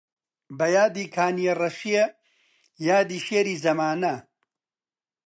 بە یادی کانیەڕەشیە یادی شێری زەمانە